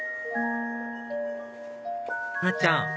なっちゃん！